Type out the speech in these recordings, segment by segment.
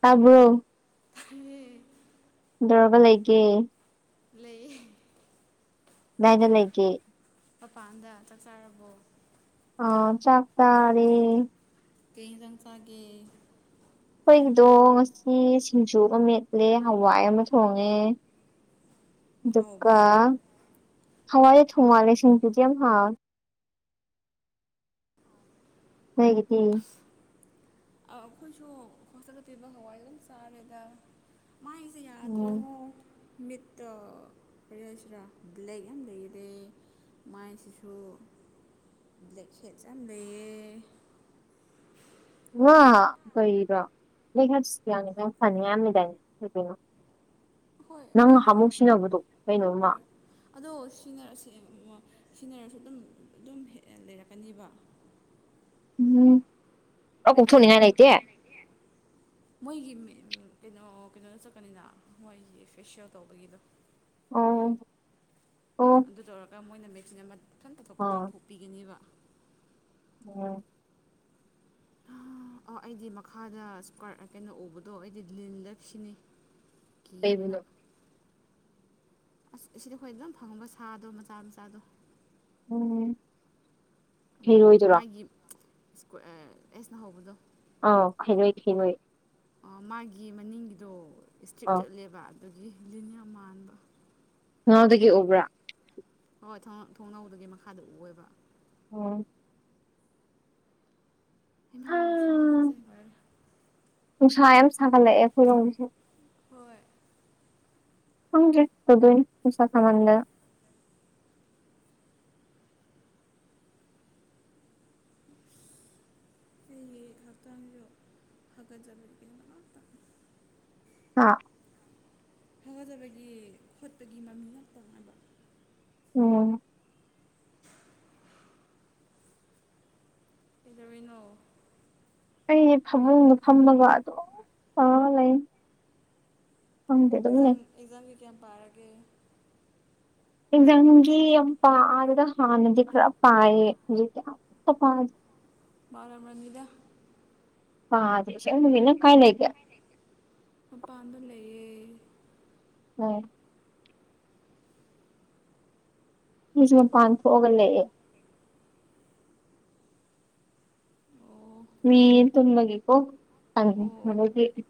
ꯇꯕꯣ ꯎꯝ ꯗ꯭ꯔꯒ ꯂꯩꯒꯦ ꯂꯩ ꯃꯦꯒ ꯂꯩꯗꯒꯤ ꯃꯄꯥꯟꯗ ꯆꯥꯛ ꯆꯥꯔꯕꯣ ꯑ ꯆꯥꯛꯇꯥꯥꯔꯦ ꯀꯩ ꯁꯪꯁꯒꯦ ꯑꯩꯈꯣꯏꯒꯤꯗꯣ ꯉꯁꯤ ꯁꯤꯡꯖꯨ ꯑꯃ ꯃꯦꯠꯂꯦ ꯍꯋꯥꯏ ꯑꯃ ꯊꯣꯡꯉꯦ ꯀꯥ ꯍꯥꯎꯕ꯭ꯔꯣ ꯍꯔꯦ ꯊꯨꯃꯔꯦ ꯁꯤꯨꯖꯤꯝ ꯍꯥ ꯍꯒꯤꯇ ꯑꯩꯈꯣꯏꯁꯨ ꯈꯆꯒ ꯄꯤꯕ ꯍꯋꯥꯏ ꯑꯗꯨ ꯆꯥꯔꯦꯗ ꯃꯥꯏ ꯎꯝ ꯌꯥꯗ꯭ꯔꯕꯣ ꯃꯤꯠꯇ ꯄꯔꯤꯌꯖꯔ ꯂꯩꯦꯛ ꯌꯥꯝ ꯂꯩꯔꯦ ꯃꯥꯏꯁꯤꯁꯨ ꯕ꯭ꯂꯦꯛ ꯍꯦꯠ ꯌꯥꯝ ꯂꯩꯌꯦ ꯋꯥ ꯀꯔꯣ ꯂꯩꯀꯥꯁꯤꯁꯨ ꯌꯥꯎꯅꯤ ꯌꯥꯝ ꯐꯅꯤ ꯌꯥꯝꯃꯤꯗꯥꯏ ꯀꯣꯏꯅꯣ ꯍꯣꯏ ꯅꯪ ꯃꯣꯏꯅ ꯅꯍꯥꯃꯨꯛ ꯁꯤꯟꯅꯕꯗꯣ ꯀꯩꯅꯣꯝꯃ ꯍꯣꯏ ꯑꯗꯣ ꯁꯤꯖꯤꯟꯅꯔꯁꯦ ꯁꯤꯟꯅꯔꯁꯨ ꯑꯗꯨꯝ ꯑꯗꯨꯝ ꯍꯦꯛ ꯂꯩꯔꯛꯀꯅꯦꯕ ꯎꯝ ꯑ ꯑꯩ ꯍꯧꯖꯤꯛ ꯀꯣꯛꯊꯣꯛꯅꯤꯡꯉꯥꯢ ꯌꯥꯝ ꯂꯩꯇꯦ [inaudible] ꯃꯣꯏꯒꯤ ꯀꯩꯅꯣ ꯀꯩꯅꯣꯗ ꯆꯠꯀꯅꯤꯅ ꯃꯣꯏꯒꯤ ꯐꯦꯁꯤꯌꯦꯜ ꯇꯧꯕꯒꯤꯗꯣ ꯑꯣ ꯑꯣ ꯑꯗꯨ ꯇꯧꯔꯒ ꯃꯣꯏꯅ ꯃꯦꯆꯤꯟ ꯑꯃꯊꯟꯇ ꯇꯥꯎꯊꯣꯛꯄꯤꯒꯅꯦꯕ ꯑꯣꯝ ꯑ ꯑꯩꯗꯤ ꯃꯈꯥꯗ ꯏꯁꯀ ꯀꯩꯅꯣ ꯎꯕꯗꯣ ꯑꯩꯗꯤ ꯂꯤꯟꯂ ꯁꯤꯅꯤ ꯀꯤꯕꯅ ꯀꯩꯕꯨꯅꯣ ꯑꯁ ꯑꯁꯤꯗ ꯑꯩꯈꯣꯏ ꯑꯗꯨꯝ ꯐꯪꯕ ꯁꯥꯗꯣ ꯃꯆꯥ ꯃꯆꯥꯗꯣ ꯎꯝ ꯑꯗꯨ ꯈꯩꯔꯣꯏꯗꯨꯔꯣ ꯃꯥꯒꯤ ꯑꯦꯁꯅ ꯍꯧꯕꯗꯣ ꯑꯣ ꯈꯔꯣꯏ ꯈꯔꯣꯏ ꯃꯥꯒꯤ ꯃꯅꯤꯡꯒꯤꯗꯣ ꯏꯁꯇ꯭ꯔꯤꯞ ꯑꯥ ꯆꯠꯂꯦꯕ ꯑꯗꯨꯒꯤ ꯂꯤꯟ ꯌꯥꯝ ꯃꯥꯟꯕ ꯊꯣꯡꯅꯧꯗꯒꯤ ꯎꯕ꯭ꯔꯥ ꯍꯣꯏ ꯍ ꯊꯣꯡꯅꯧꯗꯒꯤ ꯃꯈꯥꯗ ꯎꯑꯦꯕ ꯑꯣ ꯍꯩꯃꯥ ꯍꯥ ꯁꯥꯕꯁꯦ ꯂꯣꯏꯔꯦ ꯅꯨꯡꯁꯥ ꯌꯥꯝ ꯁꯥꯒꯠꯂꯛꯑꯦ ꯑꯩꯈꯣꯏꯔꯣꯝꯁꯦ ꯍꯣꯏ ꯐꯪꯗ꯭ꯔꯦ ꯇꯗꯣꯏꯅꯤ ꯄꯩꯁꯥ ꯁꯃꯥꯟꯗ ꯁꯤ ꯍꯐꯇꯟꯣ ꯍꯒꯠ ꯖꯕꯅ ꯍꯥ ꯍꯒꯠꯖꯕꯒꯤ ꯈꯣꯠꯄꯒꯤ ꯃꯃꯤꯡ ꯉꯥꯛ ꯇꯧꯅꯕ ꯎꯝ ꯀꯩꯗꯧꯔꯤꯅꯣ ꯑꯩ ꯐꯃꯨꯡꯒ ꯐꯝꯃ ꯑꯗꯨꯝ ꯇꯧꯔꯒ ꯂꯩ ꯈꯪꯗꯦ ꯑꯗꯨꯝ ꯂꯩ ꯑꯦꯛꯖꯥꯝ ꯑꯦꯛꯖꯥꯝꯒꯤ ꯀꯌꯥꯝ ꯄꯥꯔꯒꯦ ꯑꯦꯛꯖꯥꯝꯒꯤ ꯌꯥꯝ ꯄꯥꯗꯦꯗ ꯍꯥꯟꯅꯗꯤ ꯈꯔ ꯄꯥꯏꯌꯦ ꯍꯧꯖꯤꯛꯇꯤ ꯄꯥꯔꯝꯃꯅꯤꯗ ꯄꯥꯗꯦꯗ ꯑꯥꯁꯦꯡꯕ ꯅꯪ ꯀꯥꯏ ꯂꯩꯒꯦ ꯃꯄꯥꯟꯗ ꯂꯩꯌꯦ ꯑꯣ ꯑꯩꯁꯨ ꯃꯄꯥꯟ ꯊꯣꯛꯑꯒ ꯂꯩꯌꯦ ꯑꯣ ꯃꯤ ꯊꯃꯒꯦꯀꯣꯗꯒꯤ ꯑꯣ [inaudible]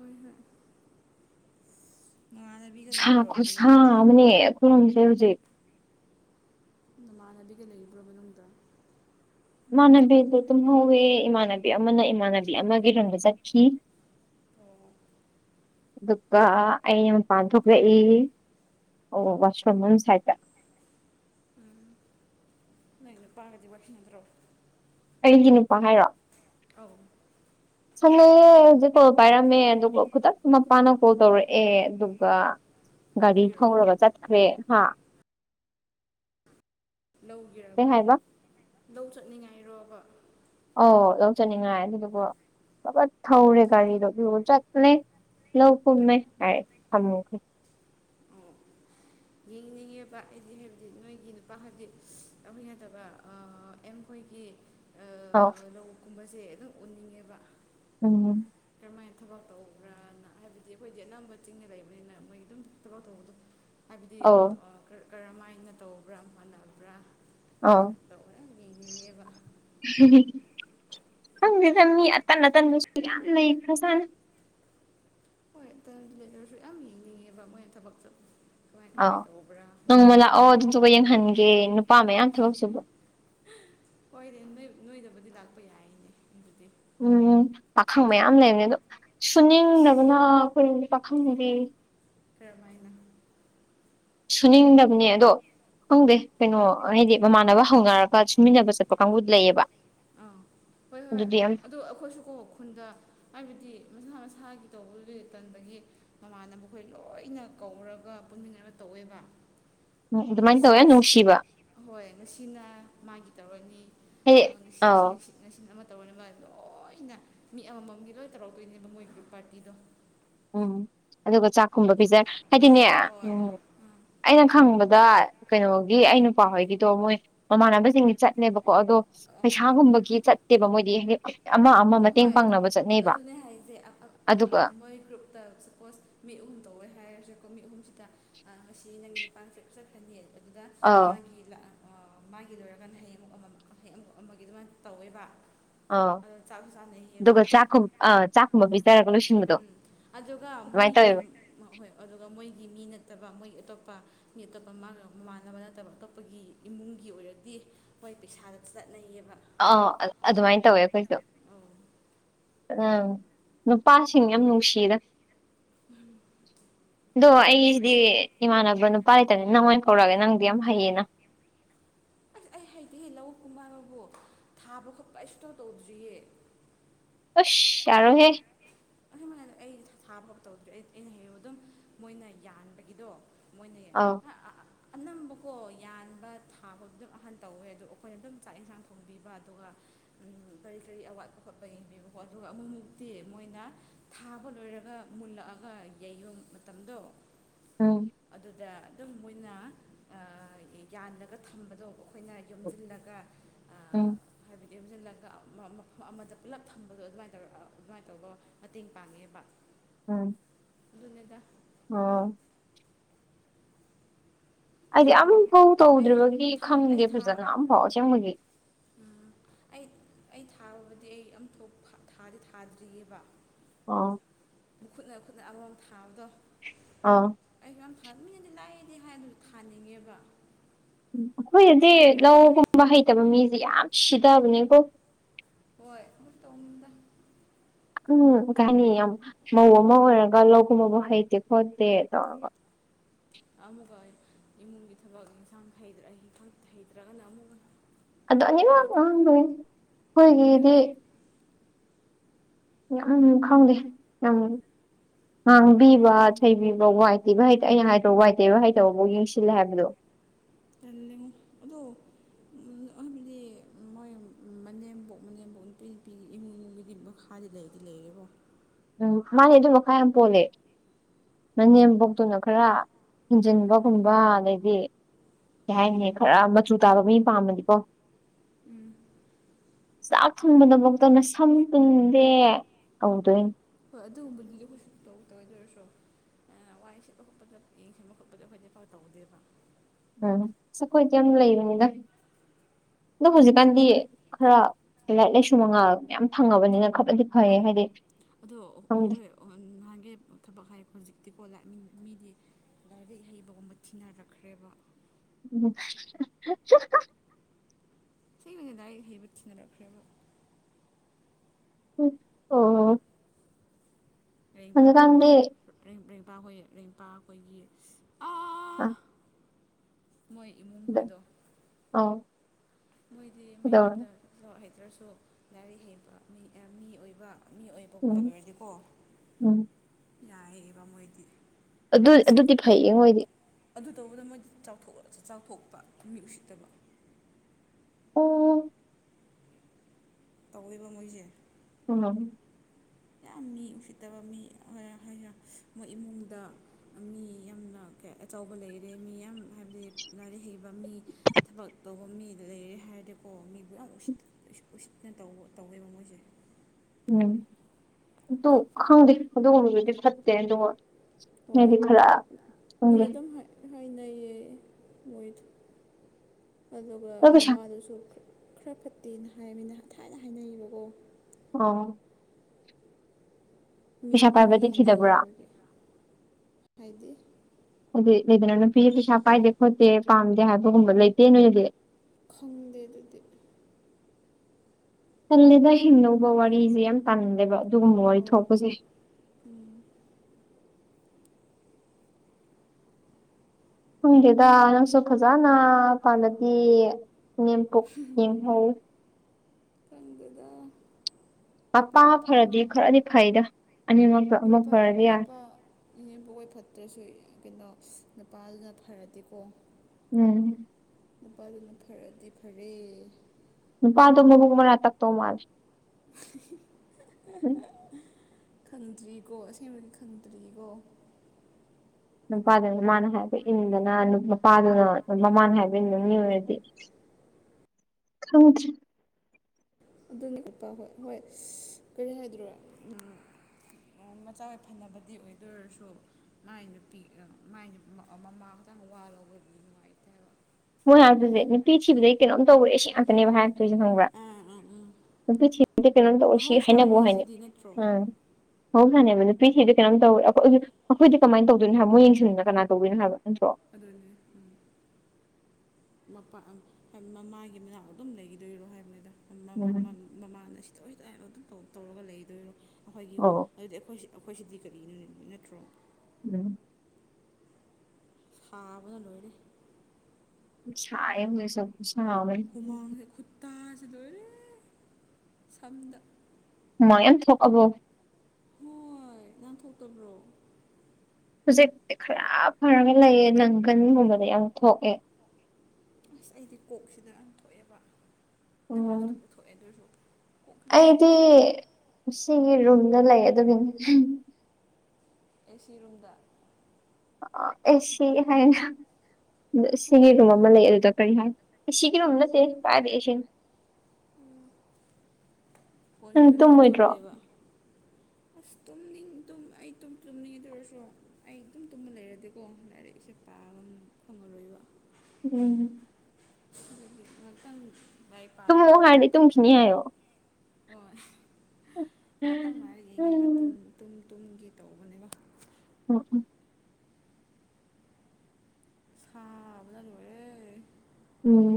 ꯍꯣꯏ ꯍꯣꯏ [inaudible] ꯁꯥ ꯈꯨꯠ ꯃꯅꯨꯡꯗ ꯁꯥꯥ ꯑꯃꯅꯦ ꯑꯩꯈꯣꯢꯔꯣꯝꯁꯦ ꯍꯧꯖꯤꯛ ꯅꯃꯥꯟꯅꯕꯤꯒ ꯂꯩ꯭ꯔꯣꯕ ꯃꯅꯨꯡꯗ ꯏꯃꯥꯟꯅꯕꯤꯗꯣ ꯇꯨꯝꯍꯧꯋꯤ ꯏꯃꯥꯟꯅꯕꯤ ꯑꯃꯅ ꯏꯃꯥꯟꯅꯕꯤ ꯑꯃꯒꯤꯔꯣꯝꯗ ꯆꯠꯈꯤ ꯑꯣ ꯑꯗꯨꯒ ꯑꯩꯅ ꯃꯄꯥꯟꯗ ꯊꯣꯛꯂꯛꯏ ꯑꯣ ꯋꯥꯁꯣꯃꯟꯁ ꯁꯥꯏꯇ ꯅꯪ ꯅꯨꯄꯥꯒꯗꯤ ꯋꯥꯔꯤ ꯁꯥꯟꯅꯗ꯭ꯔꯣ ꯑꯩꯒꯤ ꯅꯨꯄꯥ ꯍꯥꯏꯔꯣ ꯑꯥꯎ ꯁꯥꯟꯅꯩꯑꯌꯦ ꯍꯧꯖꯤꯛ ꯀꯣꯜ ꯄꯥꯏꯔꯝꯃꯦ ꯑꯗꯨꯒ ꯈꯨꯗꯛꯇ ꯃꯄꯥꯅ ꯀꯣꯜ ꯇꯧꯔꯛꯑꯦ ꯑꯗꯨꯒ ꯒꯥꯔꯤ ꯂꯧꯒꯤꯔꯣ ꯊꯧꯔꯒ ꯆꯠꯈ꯭ꯔꯦ ꯍꯥ ꯀꯩ ꯂꯧꯒꯤꯔꯕ ꯍꯥꯏꯕ ꯂꯧ ꯆꯠꯅꯤꯡꯉꯥꯏꯔꯣꯕ ꯑꯧ ꯂꯧ ꯆꯠꯅꯤꯡꯉꯥꯏ ꯑꯗꯨꯗꯨꯒ [unintelligible] ꯊꯧꯔꯦ ꯒꯥꯔꯤꯗꯣ ꯑꯗꯨ ꯆꯠꯂꯦ ꯂꯧ ꯀꯨꯝꯃꯦ ꯍꯥꯏꯔꯦ [unintelligible] ꯑꯧ ꯌꯦꯡꯅꯤꯡꯉꯦꯕ ꯑꯩꯗꯤ ꯍꯥꯏꯕꯗꯤ ꯅꯣꯏꯒꯤ ꯅꯨꯄꯥ [unintelligible] ꯑꯩꯈꯣꯏꯒꯤ ꯑꯥꯎ ꯒꯨꯝꯕꯁꯦ ꯑꯗꯨꯝ ꯎꯅꯤꯡꯉꯦꯕ ꯎꯝ ꯀꯔꯝꯍꯥꯏꯅ ꯊꯕꯛ ꯇꯧꯕ꯭ꯔꯥꯅ ꯍꯥꯏꯕꯗꯤ ꯑꯩꯈꯣꯏꯗꯤ ꯑꯅꯝꯕ ꯆꯤꯡꯗ ꯂꯩꯕꯅꯤꯅ ꯃꯣꯏ ꯑꯗꯨꯝ ꯊꯕꯛ ꯇꯧꯕꯗꯣ ꯍꯥꯏꯕꯗꯤ ꯑꯧ ꯑ ꯀꯔꯝꯥꯏꯅ ꯇꯧꯕ꯭ꯔꯥ ꯃꯥꯟꯅꯕ꯭ꯔꯥ ꯑꯧ [unintelligible] ꯌꯦꯡꯅꯤꯡꯉꯦꯕ [unintelligible] ꯈꯪꯗꯦꯗ ꯃꯤ ꯑꯇꯟ ꯑꯇꯟꯕꯁꯨ ꯌꯥꯝ ꯂꯩ ꯈ꯭ꯔꯖꯥꯠꯅꯤ ꯍꯣꯏ [unintelligible] ꯌꯥꯝ ꯌꯦꯡꯅꯤꯡꯉꯦꯕ ꯃꯣꯏꯅ ꯊꯕꯛ ꯆꯠ ꯑꯧ ꯅꯣꯡꯃ ꯂꯥꯛꯑꯣ ꯑꯗꯨꯗꯨꯒ ꯌꯦꯡꯍꯟꯒꯦ ꯅꯨꯄꯥ ꯃꯌꯥꯝ ꯊꯕꯛ ꯁꯨꯕ ꯍꯣꯏꯅꯦ ꯅꯣꯏꯗꯕꯨꯗꯤ ꯂꯥꯛꯄ ꯌꯥꯏ [unintelligible] ꯎꯝ ꯄꯥꯈꯪ ꯃꯌꯥꯝ ꯂꯩꯕꯅꯦ ꯑꯗꯣ ꯁꯨꯅꯤꯡꯗꯕꯅ ꯑꯩꯈꯣꯏ ꯄꯥꯈꯪꯗꯤ ꯀꯔꯃꯥꯏꯅ ꯁꯨꯅꯤꯡꯗꯕꯅꯦ ꯑꯗꯣ ꯈꯪꯗꯦ ꯀꯩꯅꯣ ꯍꯥꯏꯗꯤ ꯃꯃꯥꯟꯅꯕ ꯍꯧꯅꯔꯒ ꯁꯨꯃꯤꯟꯅꯕ ꯆꯠꯄ ꯀꯥꯡꯕꯨ ꯂꯩꯌꯦꯕ ꯑꯥ ꯍꯣꯏ ꯍꯣꯏ ꯑꯗꯨꯗꯤ ꯌꯥꯝ ꯑꯗꯣ ꯑꯩꯈꯣꯏꯁꯨꯀꯣ ꯈꯨꯟꯗ ꯍꯥꯏꯕꯗꯤ ꯃꯁꯥ ꯃꯁꯥꯒꯤ ꯇꯧꯕꯗꯨꯗꯤ ꯇꯟꯕꯒꯤ ꯃꯃꯥꯟꯅꯕ ꯈꯣꯏ ꯂꯣꯏꯅ ꯀꯧꯔꯒ ꯄꯨꯟꯃꯤꯟꯅꯔꯒ ꯇꯧꯋꯦꯕ ꯑꯗꯨꯃꯥꯏꯅ ꯉꯁꯤ ꯇꯧꯋꯦ ꯌꯥꯝ ꯉꯁꯤ ꯅꯨꯡꯁꯤꯕ ꯍꯣꯏ ꯉꯁꯤꯅ ꯃꯥꯒꯤ ꯇꯧꯔꯅꯤ ꯍꯥꯏꯗꯤ ꯑꯗꯨꯒ ꯉꯁꯤ ꯑꯥꯎ [unintelligible] ꯑꯃ ꯇꯧꯔꯅꯤ ꯃꯥ ꯂꯣꯏꯅ ꯃꯤ ꯑꯃ ꯃꯝꯒꯤ ꯂꯣꯏ ꯇꯧꯔꯛꯇꯣꯏꯅꯦꯕ ꯃꯣꯏ ꯒ꯭ꯔꯨꯞ ꯄꯥꯔꯇꯤꯗꯣ ꯎꯝ ꯑꯗꯨꯒ ꯆꯥꯛꯀꯨꯝꯕ ꯄꯤꯖꯔ ꯍꯥꯏꯗꯤꯅꯦ ꯍꯣꯏ ꯎꯝ ꯑꯩꯅ ꯈꯪꯕꯗ ꯀꯩꯅꯣꯒꯤ ꯑꯩ ꯅꯨꯄꯥ ꯍꯣꯏꯒꯤꯗꯣ ꯃꯣꯏ ꯃꯃꯥꯟꯅꯕꯁꯤꯡꯒꯤ ꯆꯠꯂꯦꯕꯀꯣ ꯀꯣ ꯑꯗꯣ ꯑꯥ ꯄꯩꯁꯥꯒꯨꯝꯕꯒꯤ ꯆꯠꯇꯦꯕ ꯃꯣꯏꯗꯤ ꯍꯥꯏꯗꯤ ꯑꯃ ꯑꯃ ꯑꯣ ꯃꯇꯦꯡ ꯍꯣꯏ ꯄꯥꯡꯅꯕ ꯆꯠꯅꯩꯕ ꯑꯗꯨꯅꯦ ꯍꯥꯏꯁꯦ ꯑ ꯑꯗꯨꯒ ꯃꯣꯏ ꯒ꯭ꯔꯨꯞ ꯇ ꯁꯄꯣꯁ ꯃꯤ ꯑꯍꯨꯝ ꯇꯧꯋꯦ ꯍꯥꯏꯔꯁꯦꯀꯣ ꯃꯤ ꯑꯍꯨꯝꯁꯤꯗ ꯑ ꯉꯁꯤ ꯅꯪꯒꯤ ꯅꯨꯄꯥꯥꯁꯦ ꯆꯠꯀꯅꯤ ꯑꯗꯨꯗ ꯑꯥ ꯃꯥꯒꯤ [unintelligible] ꯑ ꯃꯥꯒꯤ ꯂꯣꯏꯔꯒꯅ ꯍꯩ ꯑꯃꯨꯛ ꯑꯃ ꯍꯩ ꯑꯃꯨꯛ ꯑꯃꯒꯤ ꯑꯗꯨꯃꯥꯏꯅ ꯇꯧꯋꯦꯕ ꯑ ꯑꯗꯣ ꯆꯥꯛꯁꯨ ꯆꯥꯅꯩꯌꯦꯕ ꯑꯗꯨꯒ ꯆꯥꯛꯀꯨꯝꯕ ꯑ ꯆꯥꯛꯀꯨꯝꯕ ꯄꯤꯖꯔꯒ ꯂꯣꯏꯁꯤꯟ ꯎꯝ ꯑꯗꯨꯒ ꯃꯣꯏꯒꯤ ꯍꯣꯏ ꯑꯗꯨꯒ ꯃꯣꯏꯒꯤ ꯃꯤ ꯅꯠꯇꯕ ꯃꯣꯏ ꯑꯇꯣꯞꯄ ꯃꯤ ꯑꯇꯣꯞꯄ ꯃꯥꯒ ꯃꯃꯥꯟꯅꯕ ꯅꯠꯇꯕ ꯑꯇꯣꯞꯄꯒꯤ ꯏꯃꯨꯡꯒꯤ ꯑꯣꯏꯔꯗꯤ ꯃꯣꯏ ꯄꯩꯁꯥꯗ ꯆꯠꯅꯩꯌꯦꯕ ꯑ ꯑ ꯑꯗꯨꯃꯥꯏꯅ ꯇꯧꯋꯦ ꯑꯩꯈꯣꯏꯁꯨ ꯑꯧ ꯎꯝ ꯅꯨꯄꯥꯁꯤꯡ ꯌꯥꯝ ꯅꯨꯡꯁꯤꯌꯦꯗ ꯑꯗꯣ ꯑꯩꯁꯤꯗꯤ ꯏꯃꯥꯟꯅꯕ ꯅꯨꯄꯥ ꯂꯩꯇꯕꯅꯤ ꯅꯪ ꯑꯣꯏꯅ ꯀꯧꯔꯛꯑꯒꯦ ꯅꯪꯗꯤ ꯌꯥꯝ ꯍꯩꯌꯦꯅ ꯑꯁ ꯑꯩ ꯍꯩꯇꯦꯍꯦ ꯂꯧ ꯀꯨꯝꯕ ꯍꯥꯏꯕꯕꯨ ꯊꯥꯕ ꯈꯣꯠꯄ ꯑꯩ ꯁꯨꯡꯇꯧ ꯇꯧꯗ꯭ꯔꯤꯌꯦ ꯑꯁ ꯌꯥꯔꯣꯏ ꯍꯦ ꯑ ꯑꯩ ꯊꯥꯕ ꯇꯧꯗ꯭ꯔꯦ ꯑꯩ ꯑꯩꯅ [unintelligible] ꯑꯗꯨꯝ ꯃꯣꯏꯅ ꯌꯥꯟꯕꯒꯤꯗꯣ ꯑꯧ [unintelligible] ꯑꯥ ꯑꯥ ꯑꯥ ꯑꯅꯝꯕꯀꯣ ꯌꯥꯟꯕ ꯊꯥꯕ ꯑꯗꯨꯝ ꯑꯍꯟ ꯇꯧꯋꯦ ꯑꯗꯣ ꯑꯩꯈꯣꯏꯅ ꯑꯗꯨꯝ ꯆꯥꯛ ꯏꯟꯁꯥꯡ ꯊꯣꯡꯕꯤꯕ ꯑꯗꯨꯒ ꯀꯔꯤ ꯀꯔꯤ ꯑꯋꯥꯠꯄ ꯈꯣꯠꯄ ꯌꯦꯡꯕꯤꯕꯀꯣ ꯑꯗꯨꯒ ꯑꯃꯨꯛꯃꯨꯛꯇꯤ ꯃꯣꯏꯅ ꯊꯥꯕ ꯂꯣꯏꯔꯒ ꯃꯨꯜꯂꯛꯑꯒ ꯌꯩꯕ ꯃꯇꯝꯗꯣ ꯎꯝ ꯑꯗꯨꯗ ꯑꯗꯨꯝ ꯃꯣꯏꯅ ꯌꯥꯜꯂꯒ ꯊꯝꯕꯗꯣ ꯑꯩꯈꯣꯏꯅ ꯌꯣꯝꯁꯤꯜꯂꯒ ꯎꯝ ꯍꯥꯏꯕꯗꯤ ꯌꯣꯝꯁꯤꯜꯂꯒ ꯑꯃꯗ ꯄꯨꯂꯞ ꯊꯝꯕꯗꯣ ꯑꯗꯨꯃꯥꯏꯅ ꯇꯧꯔ ꯑꯗꯨꯃꯥꯏꯅ ꯇꯧꯕ ꯃꯇꯦꯡ ꯄꯥꯡꯉꯦꯕ ꯎꯝ ꯑꯗꯨꯅꯗ ꯑꯣ ꯍꯥꯏꯗꯤ ꯊꯥꯕ ꯑꯃꯨꯛ ꯀꯧ ꯑꯩ ꯇꯧꯗ꯭ꯔꯤꯕꯒꯤ ꯊꯥ ꯑꯩ ꯈꯪꯗꯦ ꯐꯖꯅ ꯑꯝꯐꯥꯎ ꯑꯁꯦꯡꯕꯒꯤ ꯎ ꯑꯩ ꯑꯩ ꯊꯥꯔꯕꯗꯤ ꯑꯩ ꯑꯝ ꯊꯥꯗꯤ ꯊꯥꯗ꯭ꯔꯤꯑꯕ ꯑꯣ ꯃꯈꯨꯨꯠꯅ ꯈꯨꯠꯅ ꯑꯃꯃꯝ ꯊꯥꯕꯗꯣ ꯑꯥ ꯑꯩꯁꯨ ꯌꯥꯝ ꯊꯥꯅꯤꯡꯉꯗꯤ ꯂꯥꯛꯑꯦꯗꯤ ꯍꯥꯏꯗꯨꯁꯨ ꯊꯥꯅꯤꯡꯉꯦꯕ ꯑꯩꯈꯣꯏ ꯑꯗꯨꯗꯤ ꯑꯝꯐꯥꯎ ꯌꯥꯎꯗ꯭ꯔꯤ ꯂꯧꯒꯨꯝꯕ ꯍꯩꯇꯕ ꯃꯤꯁꯦ ꯌꯥꯝ ꯁꯤꯊꯕꯅꯦꯀꯣ ꯍꯣꯏ ꯑꯃꯨ ꯇꯧꯗ ꯎꯝ ꯀꯅꯤ ꯌꯥꯝ ꯃꯧ ꯑꯃ ꯑꯣꯏꯔꯒ ꯂꯧꯒꯨꯝꯕꯕꯨ ꯍꯩꯇꯦ ꯈꯣꯠꯇꯦ ꯇꯧꯔꯒ ꯑꯃꯒ ꯏꯃꯨꯡꯒꯤ ꯊꯕꯛ ꯏꯟꯁꯥꯡ ꯍꯩꯇ ꯍꯛ ꯍꯩꯇ꯭ꯔꯒꯅ ꯑꯃꯨꯛꯒ ꯑꯗꯣ ꯑꯅꯤ ꯅ ꯑꯍꯥꯡ ꯂ ꯑꯗꯨꯅ ꯑꯩꯈꯣꯏꯒꯤꯗꯤ ꯎꯝ ꯈꯪꯅꯦ ꯎꯪ ꯉꯥꯡꯕꯤꯕ ꯊꯩꯕꯤꯕ ꯋꯥꯏ ꯇꯦꯕ ꯍꯩꯇ ꯑꯩꯅ ꯍꯥꯏ ꯋꯥꯏ ꯇꯩꯕ ꯍꯩꯇꯕꯐꯥꯎ ꯌꯦꯡꯁꯤꯜꯂꯦ ꯍꯥꯏꯕꯗꯣ ꯑꯦꯉ ꯑꯗꯣ ꯍꯥꯏꯕꯗꯤ ꯃꯣꯏ ꯃꯅꯦꯝꯕꯣꯛ ꯃꯅꯦꯝꯕꯣꯛ ꯅꯨꯄꯤ ꯅꯨꯄꯤꯒꯤ ꯏꯃꯨꯡ ꯃꯅꯨꯡꯒꯤꯗꯤꯃꯛ ꯊꯥꯗꯤ ꯂꯩꯗꯤ ꯂꯩꯒꯦꯕꯣ ꯎꯝ ꯃꯥꯅꯦ ꯑꯗꯨꯝ ꯃꯈꯥ ꯌꯥꯝ ꯄꯣꯜꯂꯦ ꯅꯅꯦꯝꯕꯣꯛꯇꯨꯅ ꯈꯔ ꯍꯤꯡꯖꯤꯟꯕꯒꯨꯝꯕ ꯑꯗꯩꯗꯤ ꯀꯩ ꯍꯥꯏꯅꯤ ꯈꯔ ꯃꯆꯨ ꯇꯥꯕ ꯃꯤ ꯄꯥꯝꯃꯗꯤꯀꯣ ꯎꯝ ꯆꯥꯛ ꯊꯣꯡꯕꯗꯃꯛꯇꯧꯅꯦ ꯁꯝ ꯇꯨꯡꯗꯦ ꯇꯧꯗꯣꯏꯅꯤ ꯍꯣꯏ ꯑꯗꯨꯒꯨꯝꯕꯗꯨꯗ ꯀꯣꯏꯁꯨ ꯇꯣꯛꯇ ꯑꯣꯏꯗꯔꯁ꯭ꯔꯣ ꯋꯥꯏ ꯁꯠꯄ ꯈꯣꯠꯄꯗ ꯌꯦꯡ ꯁꯟꯕ ꯈꯣꯠꯄꯗ ꯑꯩꯈꯣꯏꯦꯐꯥꯎ ꯇꯧꯗꯦꯕ ꯑ ꯆꯈꯣꯏꯗꯤ ꯌꯥꯝ ꯂꯩꯕꯅꯤꯗ ꯑꯗꯣ ꯍꯧꯖꯤꯛꯀꯥꯟꯗꯤ ꯈꯔ ꯂꯥꯏꯔꯤꯛ ꯂꯥꯏꯁꯨ ꯃꯉꯥꯜ ꯃꯌꯥꯝ ꯐꯪꯉꯕꯅꯤꯅ ꯈꯗꯤ ꯑꯥꯎ ꯑꯗꯣ ꯍꯣꯏ ꯅꯍꯥꯟꯒꯤ ꯊꯕꯛ ꯍꯥꯏ ꯍꯧꯖꯤꯛꯇꯤꯀꯣ ꯂꯥꯛ ꯃꯤꯗꯤ ꯂꯥꯏꯔꯤꯛ ꯍꯩꯕꯒꯨꯝꯕ ꯊꯤꯅꯔꯛꯈ꯭ꯔꯦꯕ ꯎꯝ ꯊꯕ ꯑꯣꯏꯅꯗꯥꯥꯏ ꯑꯩ ꯍꯩꯕꯨ ꯊꯤꯅꯔꯛꯈ꯭ꯔꯦꯕ ꯑꯣ ꯔꯔꯦꯡꯄꯥꯛ ꯍꯧꯖꯤꯛꯀꯥꯟꯗꯤ ꯍꯣꯏꯦꯡꯄꯥꯛꯈꯣꯏꯦꯡꯄꯥꯛꯈꯣꯏꯒꯤ ꯑ ꯃꯣꯏ ꯏꯃꯨꯡ ꯈꯣꯏꯗꯣ ꯑꯥꯎ ꯃꯣꯏꯗꯤ ꯃꯌꯨꯝꯗ ꯂ ꯍꯩꯇ꯭ꯔꯁꯨ ꯂꯥꯏꯔꯤꯛ ꯍꯩꯕ ꯃꯤ ꯃꯤ ꯑꯣꯏꯕ ꯃꯤ ꯑꯣꯏꯕꯈꯣꯏ ꯎꯝ ꯑꯣꯏꯔꯗꯤꯀꯣ ꯎꯝ ꯌꯥꯏꯑꯕ ꯃꯣꯏꯗꯤ ꯑꯗꯨ ꯑꯁ ꯑꯗꯨꯗꯤ ꯐꯩꯌꯦ ꯃꯣꯏꯗꯤ ꯑꯗꯨ ꯇꯧꯕꯗ ꯃꯣꯏꯗꯤ ꯆꯥꯎꯊ ꯆꯥꯎꯊꯣꯛꯄ ꯃꯤ ꯎꯁꯤꯠꯇꯕ ꯑꯣ ꯇꯧꯋꯦꯕ ꯃꯣꯏꯁꯦ ꯎꯝ ꯌꯥꯝ ꯃꯤ ꯅꯨꯡꯁꯤꯠꯇꯕ ꯃꯤ ꯍ ꯍ ꯃꯣꯏ ꯏꯃꯨꯡꯗ ꯃꯤ ꯌꯥꯝꯅ ꯑꯆꯧꯕ ꯂꯩꯔꯦ ꯃꯤ ꯌꯥꯝ ꯍꯥꯏꯕꯗꯤ ꯂꯥꯏꯔꯤꯛ ꯍꯩꯕ ꯃꯤ ꯊꯕꯛ ꯇꯧꯕ ꯃꯤ ꯂꯩꯔꯦ ꯍꯥꯏꯔꯗꯤꯀꯣ ꯃꯤꯕꯨ ꯌꯥꯝ ꯎꯁꯤꯠꯇꯦ ꯎꯁꯤꯠꯅ ꯇꯧꯕ ꯇꯧꯋꯦꯕ ꯃꯣꯏꯁꯦ ꯎꯝ ꯑꯗꯨ ꯈꯪꯗꯦ ꯑꯗꯨꯒꯨꯝꯕꯗꯨꯗꯤ ꯐꯠꯇꯦ ꯑꯗꯨꯒ ꯍꯣꯏ ꯍꯥꯏꯗꯤ ꯈꯔ ꯃꯤꯅ ꯈꯪꯗꯦ ꯑꯗꯨꯝ ꯍꯥꯏꯅꯩꯌꯦ ꯃꯣꯏꯗ ꯑꯗꯨꯒ ꯄꯩꯁꯥ ꯃꯃꯥꯗꯨꯁꯨ ꯈꯔ ꯐꯠꯇꯦꯅ ꯍꯥꯏꯃꯤꯅ ꯊꯥꯏꯅ ꯍꯥꯏꯅꯩꯌꯦꯕꯀꯣ ꯑꯣ ꯄꯩꯁꯥ ꯃꯤꯕꯨ ꯄꯥꯏꯕꯗꯤ ꯌꯦꯡꯊꯩ ꯊꯤꯗꯕ꯭ꯔꯥ ꯍꯥꯏꯔꯒꯦ ꯍꯥꯏꯗꯤ ꯑꯗꯨꯗꯤ ꯂꯩꯗꯅ ꯅꯨꯄꯤꯁꯦ ꯄꯩꯁꯥ ꯄꯥꯏꯗꯦ ꯈꯣꯠꯇꯦ ꯄꯥꯝꯗꯦ ꯍꯥꯏꯕꯒꯨꯝꯕ ꯂꯩꯇꯦ ꯅꯣꯏꯗꯤ ꯈꯪꯗꯦ ꯑꯗꯨꯗꯤ ꯀꯜꯂꯤꯦꯗ ꯍꯤꯡꯗꯧꯕ ꯋꯥꯔꯤꯁꯦ ꯌꯥꯝ ꯇꯥꯅꯤꯡꯗꯦꯕ ꯑꯗꯨꯒꯨꯝꯕ ꯋꯥꯔꯤ ꯑꯣ ꯊꯣꯛꯄꯁꯦ ꯎꯝ ꯐꯨꯝꯁꯤꯦꯗ ꯅꯪꯁꯨ ꯐꯖꯅ ꯄꯥꯂꯗꯤꯅꯦꯝꯄ ꯌꯦꯦꯝꯍꯧ ꯐꯪꯒꯗ ꯃꯄꯥ ꯐꯔꯗꯤ ꯈꯔꯗꯤ ꯐꯩꯗ ꯑꯅꯤꯃꯛꯇ ꯑꯃꯨꯛ ꯐꯔꯗꯤ ꯌꯥꯔꯦ ꯏꯅꯦꯝꯕ ꯑꯣꯏꯣꯏ ꯐꯠꯇ꯭ꯔꯁꯨ ꯀꯩꯅꯣ ꯅꯨꯄꯥꯗꯨꯅ ꯐꯔꯗꯤꯀꯣ ꯎꯝ ꯅꯨꯄꯥꯗꯨꯅ ꯐꯔꯗꯤ ꯐꯔꯦ ꯅꯨꯄꯥꯗꯣ ꯃꯕꯨꯡ ꯑꯃꯅ ꯇꯛꯇꯧ ꯃꯥꯜꯂꯦ ꯎꯝ [unintelligible] ꯈꯪꯗ꯭ꯔꯤꯀꯣ ꯑꯁꯦꯡꯕꯗꯤ ꯈꯪꯗ꯭ꯔꯤꯀꯣ ꯅꯨꯄꯥꯗꯨꯅꯃꯥꯅ ꯍꯥꯏꯕ ꯏꯟꯗꯅ ꯃꯄꯥꯗꯨꯅ ꯃꯃꯥꯅ ꯍꯥꯏꯕ ꯏꯟꯗ ꯅ꯭ꯌꯨ ꯑꯣꯏꯔꯗꯤ [unintelligible] ꯍꯥꯎ ꯑꯗꯨꯅꯦ ꯎꯄꯥ ꯍꯣꯏ ꯍꯣꯏ ꯀꯔꯤ ꯍꯥꯏꯗ꯭ꯔꯣ ꯎ ꯃꯆꯥ ꯑꯣꯏꯐꯅꯕꯗꯤ ꯑꯣꯏꯗꯣꯏꯔꯁꯨ ꯃꯥꯥꯏ ꯅꯨꯄꯤ ꯃꯥꯏ ꯃꯃꯥ ꯈꯇꯪ ꯋꯥ ꯂꯧꯧꯕꯦ ꯃꯣꯏ ꯍꯥꯏꯗꯨꯁꯦ ꯅꯨꯄꯤ ꯊꯤꯕꯗꯒꯤꯩ ꯀꯩꯅꯣꯝ ꯇꯧꯔꯦ ꯁꯤ ꯉꯥꯛꯇꯅꯦꯕ ꯍꯥꯏꯔꯕꯗꯨꯣꯏꯁꯦ ꯍꯪꯕ꯭ꯔꯥ ꯑꯥ ꯑꯥ ꯎꯝ ꯑꯗꯨ ꯆꯤꯟ ꯄꯅꯣꯗ ꯑꯣꯁꯤ ꯃꯍꯧꯁꯥꯅꯤ ꯍꯥꯏꯅ ꯣꯍ ꯍꯥꯏꯅ ꯁꯤꯗꯤ ꯅꯠꯇ꯭ꯔꯣ ꯎꯝ ꯃꯍꯧꯁꯥꯅꯦꯕ ꯅꯨꯄꯤꯁꯤꯗꯤ ꯀꯩꯅꯣꯝ ꯇꯧꯋꯦ ꯑꯈꯣꯏꯒꯤ ꯑꯩꯈꯣꯏꯗꯤ ꯀꯃꯥꯏꯅ ꯇꯧꯗꯣꯏꯅꯣ ꯍꯥꯏꯕ ꯃꯣꯏ ꯌꯦꯡꯁꯤꯟꯅ ꯀꯅꯥ ꯇꯧꯗꯣꯏꯅꯣ ꯍꯥꯏꯕ ꯅꯠꯇꯔꯣ ꯑꯗꯨꯅꯦ ꯎꯝ ꯃꯄꯥ ꯎꯝ ꯃꯃꯥꯒꯤ ꯃꯅꯥꯛ ꯑꯗꯨꯝ ꯂꯩꯒꯤꯗꯣꯏꯔꯣ ꯍꯥꯏꯕꯅꯤꯗ ꯎꯝ ꯃꯃꯥꯅ ꯁꯤ ꯇꯣꯏ ꯇꯣꯏꯏꯅ ꯑꯗꯨꯝ ꯇꯧꯔꯒ ꯂꯩꯗꯣꯏꯔꯣ ꯑꯩꯈꯣꯏꯒꯤ ꯑꯣ ꯑꯗꯨꯗꯤ ꯑꯩꯈꯣꯏꯁꯤ ꯑꯩꯈꯣꯏꯁꯤꯗꯤ ꯀꯔꯤꯒꯤꯅꯣꯅꯦ ꯅꯠꯇ꯭ꯔꯣ ꯎꯝ ꯊꯥ ꯑꯃꯗ ꯂꯣꯏꯅꯤ ꯁꯥꯏꯌꯦ ꯍꯧꯖꯤꯛꯁꯨ ꯈꯨꯁꯥ ꯑꯃꯅꯦ ꯍꯨꯃꯥꯡꯁꯦ ꯈꯨꯇꯥꯥꯁꯤꯗ ꯂꯣꯏꯔꯦ ꯁꯝꯗ ꯃꯌꯥꯝ ꯊꯣꯛꯑꯕꯣ ꯍꯣꯏ ꯅꯪ ꯊꯣꯛꯇꯕ꯭ꯔꯣ ꯍꯧꯖꯤꯛꯇꯤ ꯈꯔ ꯐꯔꯒ ꯂꯩꯌꯦ ꯅꯪꯒꯟꯒꯨꯝꯕꯗꯤ ꯌꯥꯝ ꯊꯣꯛꯑꯦ ꯑꯁ ꯑꯩꯗꯤ ꯀꯣꯛꯁꯤꯗ ꯌꯥꯝ ꯊꯣꯛꯑꯦꯕ ꯎꯝ ꯅꯪꯒꯟꯁꯨ ꯊꯣꯛꯑꯦ ꯑꯗꯨꯏꯁꯨ ꯑꯩꯗꯤ ꯑꯦꯁꯤꯒꯤ ꯔꯨꯝꯗ ꯂꯩꯌꯦ ꯑꯗꯨꯒꯤꯅꯦ ꯑꯦꯁꯤ ꯔꯨꯝꯗ ꯑꯦ ꯁꯤ ꯍꯥꯏꯒꯦ ꯁꯤꯒꯤ ꯔꯨꯝ ꯑꯃ ꯂꯩ ꯑꯗꯨꯗ ꯀꯔꯤ ꯍꯥꯏ ꯑꯦꯁꯤꯒꯤ ꯔꯨꯝ ꯅꯠꯇꯦ ꯀꯥꯏꯗꯩ ꯑꯦꯁꯤꯅꯣ ꯅꯪ ꯐꯣꯟꯁꯤꯁꯨ ꯂꯣꯏ ꯇꯨꯝꯃꯣꯏꯗ꯭ꯔꯣ ꯆꯣꯠꯂꯦꯕ ꯑꯁ ꯇꯨꯝꯅꯤꯡ ꯇꯨꯝ ꯑꯩ ꯇꯨꯝ ꯇꯨꯝꯅꯤꯡꯗꯔꯁꯨ ꯑꯩ ꯑꯗꯨꯝ ꯇꯨꯝꯃ ꯂꯩꯔꯗꯤꯀꯣ ꯂꯥꯏꯔꯤꯛꯁꯦ ꯄꯥꯕ ꯐꯪꯉꯔꯣꯏꯕ ꯎꯝ ꯉꯥꯛꯇꯡ ꯂꯥꯏꯔꯤꯛ ꯄꯥꯔꯒ ꯇꯨꯝꯃꯣ ꯍꯥꯏꯔꯗꯤ ꯉꯥꯛꯇꯡ ꯇꯨꯝꯈꯤꯅꯤ ꯍꯥꯏꯌꯣ ꯍꯣꯏ ꯉꯍꯥꯛꯇꯪ ꯉꯥꯏꯔ ꯌꯦꯡꯉꯒ ꯇꯨꯝ ꯎꯝ ꯇꯨꯝ ꯇꯨꯝꯒꯦ ꯇꯧꯕꯅꯦꯕ ꯎꯝ ꯎꯝ ꯁꯥꯕꯗ ꯂꯣꯏꯔꯦ꯫ ꯎꯝ